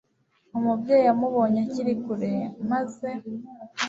umubyeyi amubonye akiri kure, maze